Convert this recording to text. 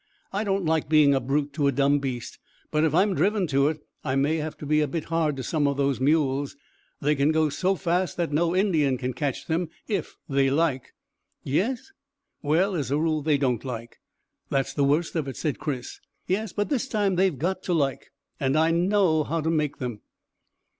I don't like being a brute to a dumb beast, but if I'm driven to it I may have to be a bit hard to some of those mules. They can go so fast that no Indian can catch them if they like." "Yes?" "Well, as a rule they don't like." "That's the worst of it," said Chris. "Yes, but this time they've got to like; and I know how to make them."